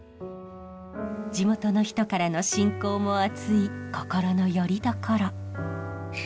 地元の人からの信仰もあつい心のよりどころ。